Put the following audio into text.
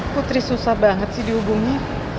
putri susah banget sih dihubungi